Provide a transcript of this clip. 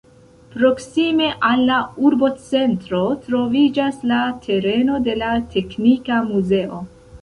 Proksime al la urbocentro troviĝas la tereno de la teknika muzeo.